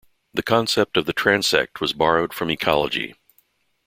The concept of the transect was borrowed from ecology.